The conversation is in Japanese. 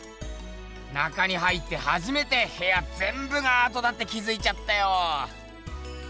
中に入ってはじめてへやぜんぶがアートだって気づいちゃったよ。